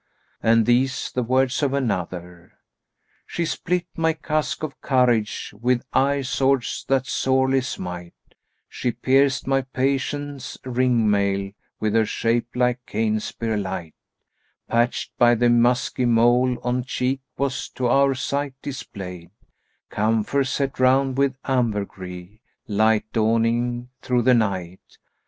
And these the words of another, "She split my casque of courage with eye swords that sorely smite; * She pierced my patience' ring mail with her shape like cane spear light: Patched by the musky mole on cheek was to our sight displayed * Camphor set round with ambergris, light dawning through the night.